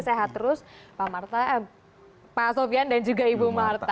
sehat terus pak sofian dan juga ibu marta